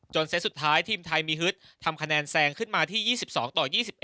เซตสุดท้ายทีมไทยมีฮึดทำคะแนนแซงขึ้นมาที่๒๒ต่อ๒๑